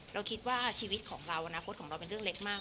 เราคิดว่าชีวิตของเราอนาคตของเราเป็นเรื่องเล็กมาก